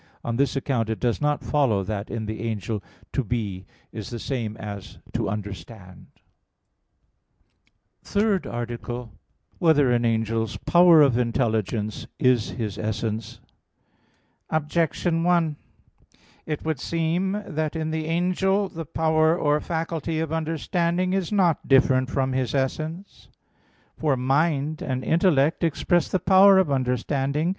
On this account it does not follow that in the angel "to be" is the same as 'to understand.' _______________________ THIRD ARTICLE [I, Q. 54, Art. 3] Whether an Angel's Power of Intelligence Is His Essence? Objection 1: It would seem that in an angel the power or faculty of understanding is not different from his essence. For, "mind" and "intellect" express the power of understanding.